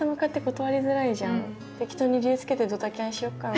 適当に理由つけてドタキャンしよっかな。